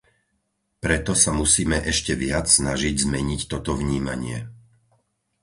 Preto sa musíme ešte viac snažiť zmeniť toto vnímanie.